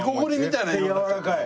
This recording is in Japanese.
絶対やわらかい。